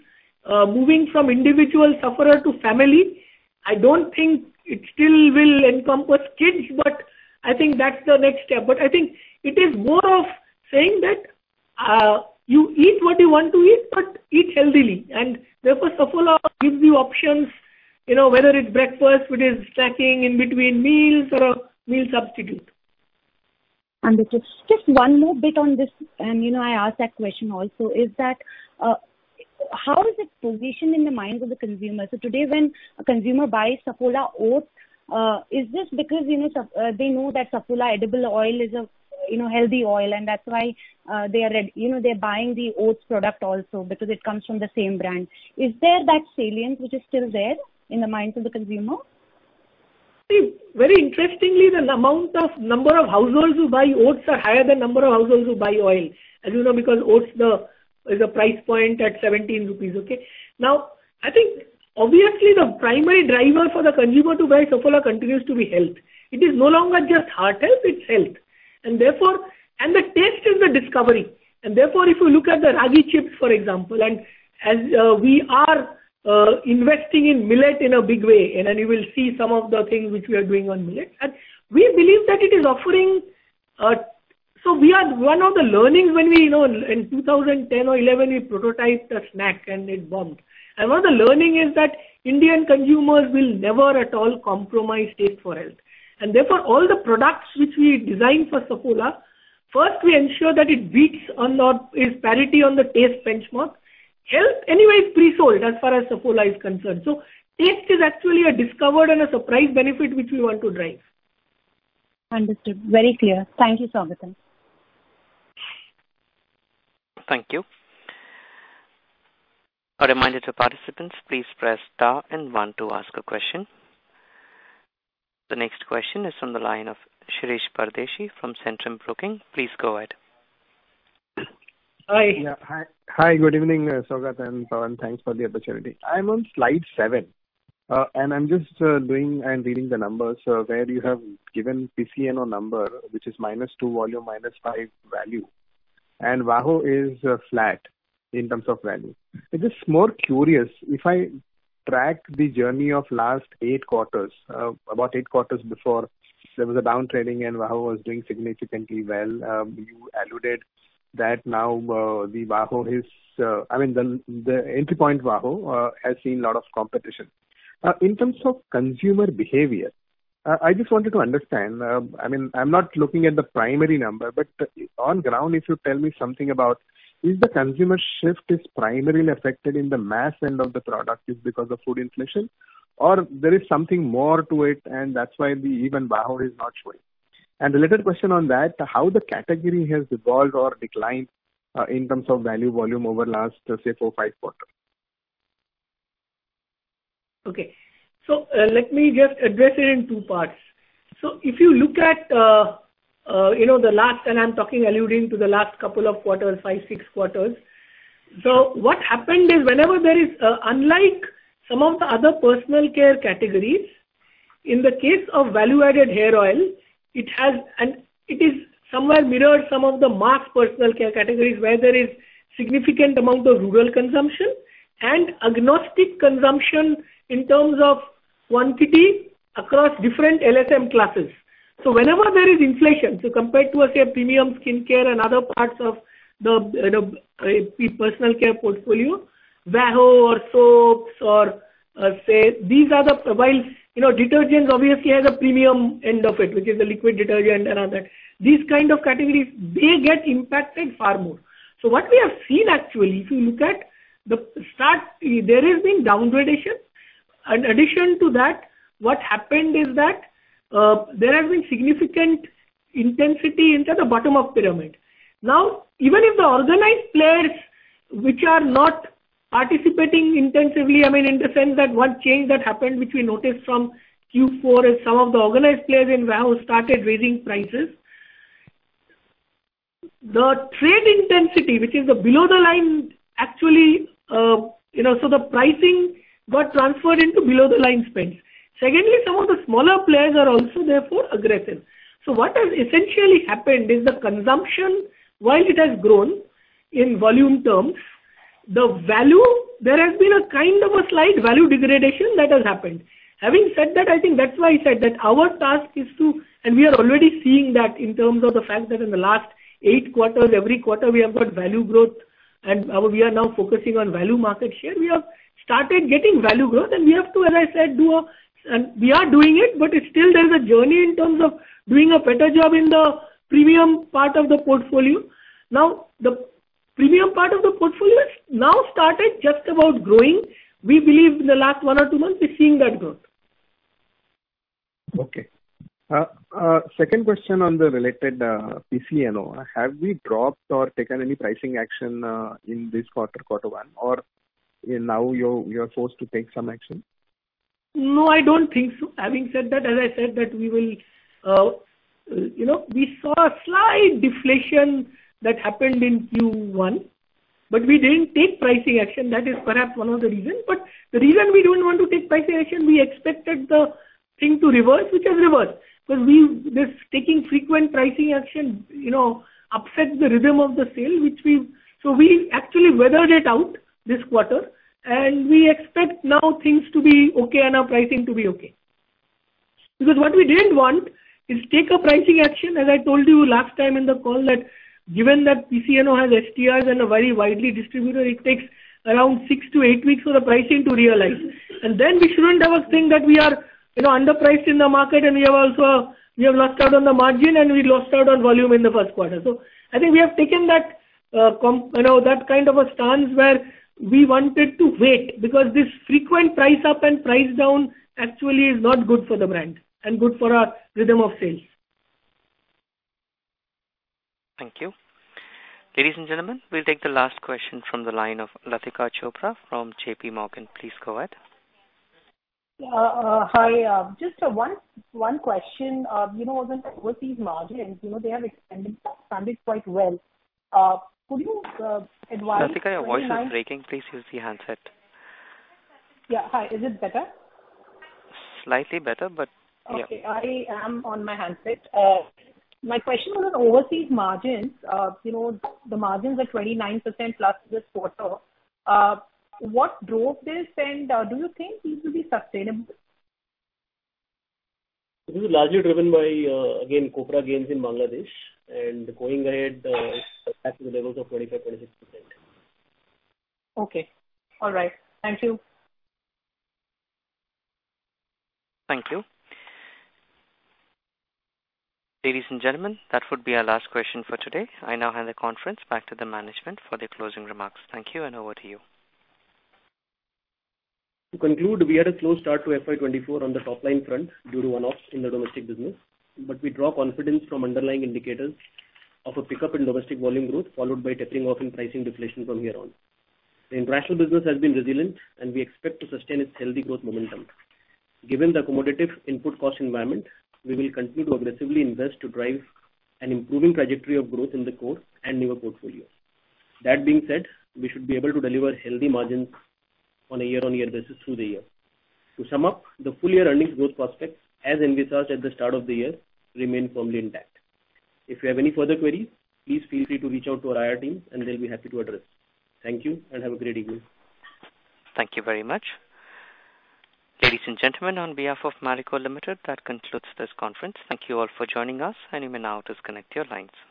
moving from individual sufferer to family. I don't think it still will encompass kids, but I think that's the next step. I think it is more of saying that, you eat what you want to eat, but eat healthily. Therefore, Saffola gives you options, you know, whether it's breakfast, it is snacking in between meals or a meal substitute. Understood. Just one more bit on this, you know, I asked that question also, is that, how is it positioned in the minds of the consumer? Today when a consumer buys Saffola Oats, is this because, you know, they know that Saffola Edible Oil is a, you know, healthy oil, and that's why, they are, you know, they're buying the Oats product also because it comes from the same brand. Is there that salience which is still there in the minds of the consumer? See, very interestingly, the amount of number of households who buy oats are higher than number of households who buy oil. As you know, because oats is a price point at 17 rupees, okay? Now, I think obviously the primary driver for the consumer to buy Saffola continues to be health. It is no longer just heart health, it's health, and therefore, the taste is the discovery. Therefore, if you look at the Ragi chips, for example, as we are investing in millet in a big way, then you will see some of the things which we are doing on millet. We believe that it is offering. We are, one of the learnings when we, you know, in 2010 or 2011, we prototyped a snack and it bombed. One of the learning is that Indian consumers will never at all compromise taste for health. Therefore, all the products which we design for Saffola, first we ensure that it beats on or is parity on the taste benchmark. Health anyway is pre-sold as far as Saffola is concerned. Taste is actually a discovered and a surprise benefit which we want to drive. Understood. Very clear. Thank you, Saugata. Thank you. A reminder to participants, please press star and one to ask a question. The next question is from the line of Shirish Pardeshi from Centrum Broking. Please go ahead. Hi. Yeah. Hi, good evening, Saugata and Pawan. Thanks for the opportunity. I'm on slide 7, and I'm just doing and reading the numbers, where you have given VAHO number, which is -2 volume, -5 value, and VAHO is flat in terms of value. I'm just more curious, if I track the journey of last 8 quarters, about 8 quarters before there was a downtrending and VAHO was doing significantly well, you alluded that now, the VAHO is, I mean, the entry point VAHO has seen a lot of competition. In terms of consumer behavior, I just wanted to understand, I mean, I'm not looking at the primary number, but on ground, if you tell me something about, is the consumer shift is primarily affected in the mass end of the product is because of food inflation, or there is something more to it and that's why the even VAHO is not showing? A little question on that, how the category has evolved or declined, in terms of value, volume over the last, four, five quarters? Okay. Let me just address it in two parts. If you look at, you know, the last, and I'm talking alluding to the last couple of quarters, five, six quarters. What happened is whenever there is, unlike some of the other personal care categories, in the case of Value-Added Hair Oil, it has and it is somewhere mirrored some of the mass personal care categories, where there is significant amount of rural consumption and agnostic consumption in terms of quantity across different LSM classes. Whenever there is inflation, so compared to, let's say, premium skincare and other parts of the, you know, personal care portfolio, VAHO or soaps or, say these are the, while, you know, detergents obviously has a premium end of it, which is the liquid detergent and all that. These kind of categories, they get impacted far more. What we have seen actually, if you look at the start, there has been degradation. In addition to that, what happened is that, there has been significant intensity into the bottom of pyramid. Even if the organized players which are not participating intensively, I mean, in the sense that one change that happened, which we noticed from Q4, is some of the organized players in VAHO started raising prices. The trade intensity, which is the below the line, actually, you know, so the pricing got transferred into below the line spends. Some of the smaller players are also therefore aggressive. What has essentially happened is the consumption, while it has grown in volume terms, the value, there has been a kind of a slight value degradation that has happened. Having said that, I think that's why I said that our task is to... We are already seeing that in terms of the fact that in the last 8 quarters, every quarter we have got value growth, and we are now focusing on value market share. We have started getting value growth, and we have to, as I said, and we are doing it, but it's still there's a journey in terms of doing a better job in the premium part of the portfolio. The premium part of the portfolio has now started just about growing. We believe in the last 1 or 2 months, we're seeing that growth. Okay. second question on the related PCNO. Have we dropped or taken any pricing action in this quarter, quarter one, or now you're, you're forced to take some action? No, I don't think so. Having said that, as I said that we will, you know, we saw a slight deflation that happened in Q1, we didn't take pricing action. That is perhaps one of the reasons. The reason we don't want to take pricing action, we expected the thing to reverse, which has reversed. We, this taking frequent pricing action, you know, upsets the rhythm of the sale, which we... We actually weathered it out this quarter, and we expect now things to be okay and our pricing to be okay. What we didn't want is take a pricing action, as I told you last time in the call, that given that PCNO has SDRs and a very widely distributor, it takes around 6-8 weeks for the pricing to realize. Then we shouldn't have a thing that we are, you know, underpriced in the market, and we have also, we have lost out on the margin and we lost out on volume in the Q1. I think we have taken you know, that kind of a stance where we wanted to wait, because this frequent price up and price down actually is not good for the brand and good for our rhythm of sales. Thank you. Ladies and gentlemen, we'll take the last question from the line of Latika Chopra from JPMorgan. Please go ahead. Hi, just one question, you know, on with these margins, you know, they have expanded quite well. Could you advise- Latika, your voice is breaking. Please use the handset. Yeah. Hi, is it better? Slightly better, but yeah. Okay, I am on my handset. My question was on overseas margins. You know, the margins are 29%+ this quarter. What drove this, and do you think this will be sustainable? This is largely driven by, again, Copra gains in Bangladesh, and going ahead, back to the levels of 25%-26%. Okay. All right. Thank you. Thank you. Ladies and gentlemen, that would be our last question for today. I now hand the conference back to the management for the closing remarks. Thank you. Over to you. To conclude, we had a slow start to FY 2024 on the top line front due to one-offs in the domestic business, but we draw confidence from underlying indicators of a pickup in domestic volume growth, followed by tapering off in pricing deflation from here on. The international business has been resilient, and we expect to sustain its healthy growth momentum. Given the accommodative input cost environment, we will continue to aggressively invest to drive an improving trajectory of growth in the core and newer portfolio. That being said, we should be able to deliver healthy margins on a year-on-year basis through the year. To sum up, the full year earnings growth prospects, as envisaged at the start of the year, remain firmly intact. If you have any further queries, please feel free to reach out to our IR team, and they'll be happy to address. Thank you, and have a great evening. Thank you very much. Ladies and gentlemen, on behalf of Marico Limited, that concludes this conference. Thank you all for joining us, and you may now disconnect your lines. Thank you.